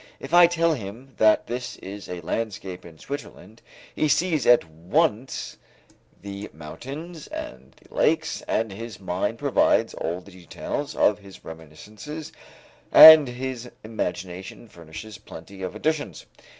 If I tell him that this is a landscape in Switzerland, he sees at once the mountains and the lakes, and his mind provides all the details of his reminiscences, and his imagination furnishes plenty of additions.